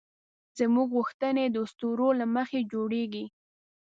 زموږ غوښتنې د اسطورو له مخې جوړېږي.